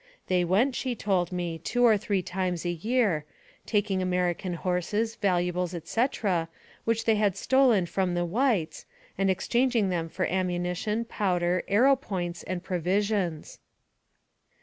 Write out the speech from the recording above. They went, she told me, two or three times a year, taking American horses, valuables, etc., which they had stolen from the whites, and exchanging them for amunition, powder, arrow points, and provisions.